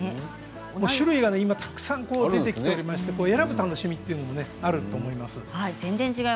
種類が今たくさん出てきていて選ぶ楽しみもあると思います。